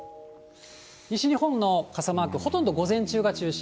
西日本の傘マーク、ほとんど午前中が中心。